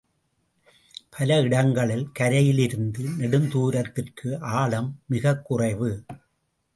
பல இடங்களில் கரையிலிருந்து நெடுந்தூரத்திற்கு ஆழம் மிகக் குறைவு.